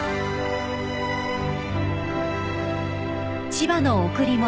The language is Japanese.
［『千葉の贈り物』］